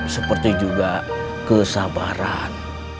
seperti juga kesabaran